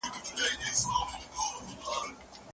کبابي په خپله چوکۍ باندې ارام ناست دی.